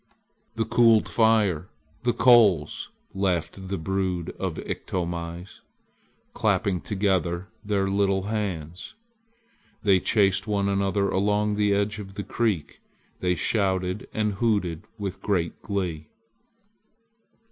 "The cooled fire! The coals!" laughed the brood of Iktomis. Clapping together their little hands, they chased one another along the edge of the creek. They shouted and hooted with great glee.